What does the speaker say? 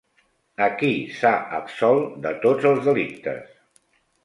A qui s'ha absolt de tots els delictes?